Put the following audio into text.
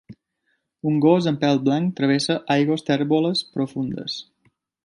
Un gos amb pèl blanc travessa aigües tèrboles profundes.